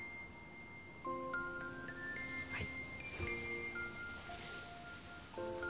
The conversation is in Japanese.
はい。